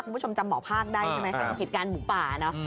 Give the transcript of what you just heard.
คุณผู้ชมจำหมอภาคได้ใช่ไหมเหตุการณ์หมูป่าเนอะ